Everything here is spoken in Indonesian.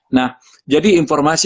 nah jadi informasi